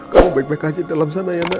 kamu baik baik aja di dalam sana ya mas